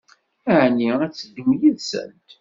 Ɛni ad teddum yid-sent?